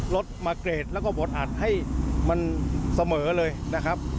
รถมาเกรดแล้วก็บดอัดให้มันเสมอเลยนะครับ